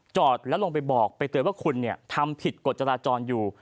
จอดแล้วลงไปบอกไปเตือนว่าคุณทำผิดกฎจราจรอยู่